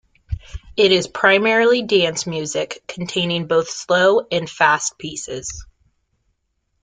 It is primarily dance music, containing both slow and fast pieces.